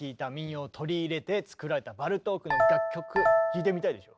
聴いてみたいでしょ？